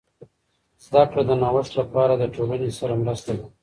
زده کړه د نوښت لپاره د ټولنې سره مرسته ده.